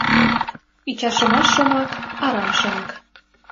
Ӱчашымаш шомак — арам шомак.